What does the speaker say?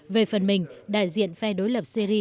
về phần mình đại diện phe đối lập syri